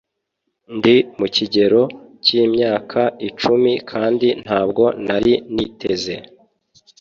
ndi mu kigero cy'imyaka icumi kandi ntabwo nari niteze